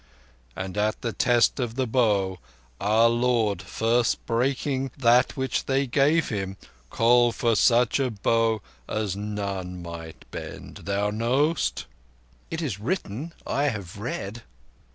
And at the test of the Bow, our Lord first breaking that which they gave Him, called for such a bow as none might bend. Thou knowest?" "It is written. I have read."